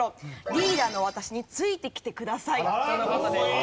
リーダーの私についてきてくださいとの事です。